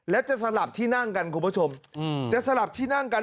และจะสลับที่นั่งกันคุณผู้ชมจะสลับที่นั่งกัน